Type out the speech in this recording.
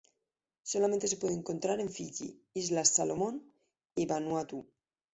Solamente se puede encontrar en Fiji, islas Salomón y Vanuatu.